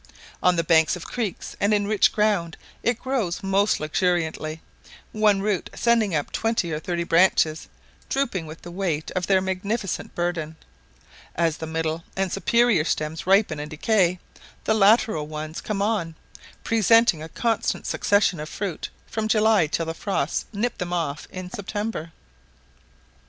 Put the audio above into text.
On the banks of creeks and in rich ground, it grows most luxuriantly, one root sending up twenty or thirty branches, drooping with the weight of their magnificent burden. As the middle and superior stems ripen and decay, the lateral ones come on, presenting a constant succession of fruit from July till the frosts nip them off in September.